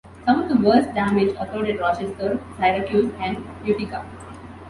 Some of the worst damage occurred at Rochester, Syracuse, and Utica.